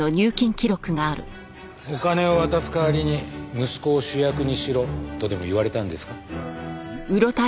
お金を渡す代わりに息子を主役にしろとでも言われたんですか？